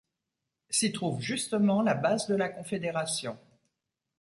S'y trouve justement la base de la confédération.